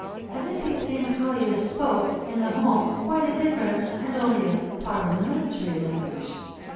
As if these same colliers spoke, in the home, quite a different, and only a parliamentary, language!